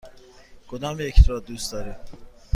کدامیک را دوست دارید؟